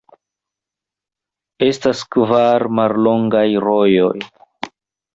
Estas kvar mallongaj rojoj.